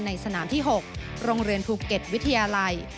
ในสนามที่๖โรงเรียนภูเก็ตวิทยาลัย